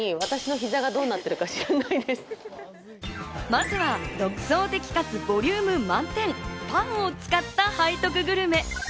まずは独創的かつ、ボリューム満点、パンを使った背徳グルメ。